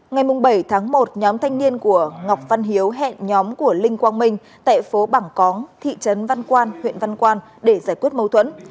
ngày bảy tháng một nhóm thanh niên của ngọc văn hiếu hẹn nhóm của linh quang minh tại phố bảng cóng thị trấn văn quan huyện văn quan để giải quyết mâu thuẫn